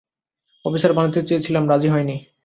Officer বানাতে চেয়েছিলাম, রাজি হয়নি।